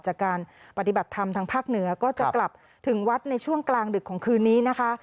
จากการปฏิบัติธรรมทางภาคเหนือก็จะกลับถึงวัดในช่วงกลางดึกของคืนนี้นะคะ